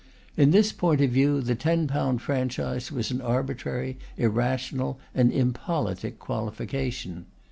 In this point of view the ten pound franchise was an arbitrary, irrational, and impolitic qualification.